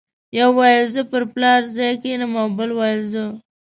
یو ویل زه پر پلار ځای کېنم او بل ویل زه.